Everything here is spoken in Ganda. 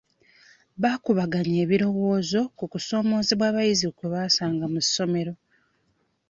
Baakubaganya ebirowozo ku kusoomoozebwa abayizi kwe basanga mu ssomero.